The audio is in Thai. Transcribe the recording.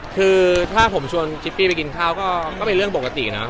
คือถ้าผมชวนชิปปี้ไปกินข้าวก็เป็นเรื่องปกตินะ